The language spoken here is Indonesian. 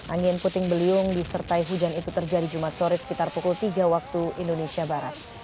angin puting beliung disertai hujan itu terjadi jumat sore sekitar pukul tiga waktu indonesia barat